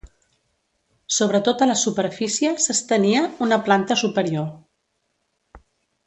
Sobre tota la superfície s'estenia una planta superior.